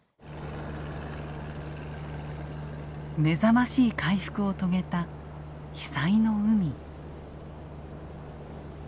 目覚ましい回復を遂げた被災の海。